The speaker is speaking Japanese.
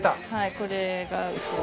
これがうちの。